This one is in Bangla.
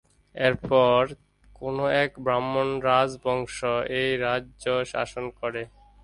এর পর কোনো এক ব্রাহ্মণ রাজবংশ এই রাজ্য শাসন করে।